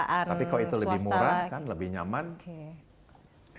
swasta lagi tapi kalau itu lebih murah lebih nyaman